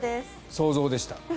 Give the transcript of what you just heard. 想像でした。